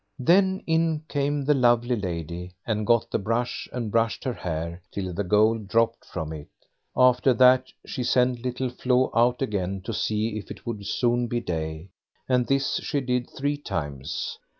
Then in came the lovely lady, and got the brush and brushed her hair, till the gold dropped from it; after that she sent Little Flo out again to see if it would soon be day, and this she did three times.